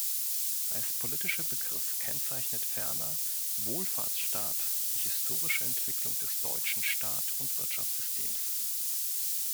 Als politischer Begriff kennzeichnet ferner Wohlfahrtsstaat die historische Entwicklung des deutschen Staat- und Wirtschaftssystems.